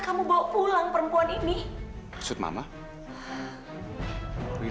kalau kamu bisa tau